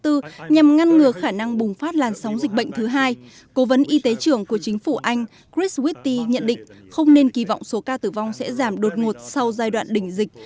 trong bùng phát làn sóng dịch bệnh thứ hai cố vấn y tế trưởng của chính phủ anh chris whitty nhận định không nên kỳ vọng số ca tử vong sẽ giảm đột ngột sau giai đoạn đỉnh dịch